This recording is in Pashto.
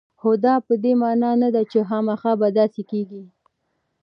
خو دا په دې معنا نه ده چې خامخا به داسې کېږي